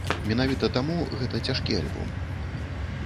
Менавіта таму гэта цяжкі альбом.